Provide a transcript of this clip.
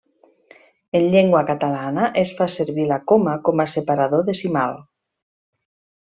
En llengua catalana es fa servir la coma com a separador decimal.